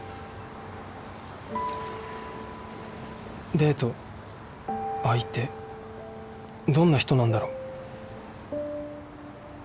デート相手どんな人なんだろう？